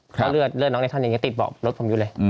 เพราะเลือดน้องในท่านยังติดเบาะรถผมอยู่เลย